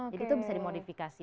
jadi itu bisa dimodifikasi